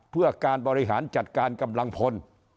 เพื่อการบริหารจัดการกำลังพล